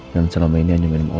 yang selama ini hanya minum obat